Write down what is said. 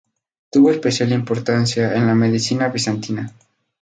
Tuvo especial importancia en la medicina bizantina.